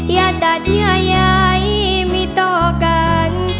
อย่าดัดเนื้อใหญ่มีต่อกัน